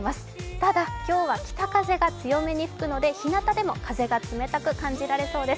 ただ、今日は北風が強めに吹くので日なたでも風が冷たく感じられそうです。